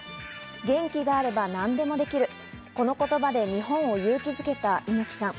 「元気があれば何でもできる」、この言葉で日本を勇気付けた猪木さん。